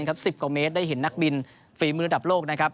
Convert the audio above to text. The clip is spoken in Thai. ๑๐กว่าเมตรได้เห็นนักบินฟรีมือระดับโลก